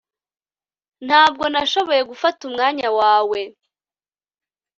Ntabwo nashoboye gufata umwanya wawe